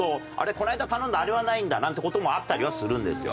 この間頼んだあれはないんだ？なんて事もあったりはするんですよ。